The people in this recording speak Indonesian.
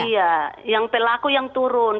iya yang pelaku yang turun